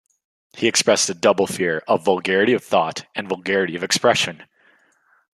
He expressed a double fear, of vulgarity of thought, and vulgarity of expression.